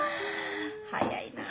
早いな。